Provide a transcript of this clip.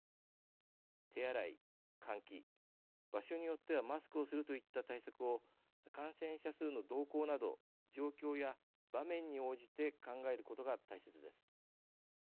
手洗い、換気場所によってはマスクをするといった対策を感染者数の動向など状況や場面に応じて考えることが大切です。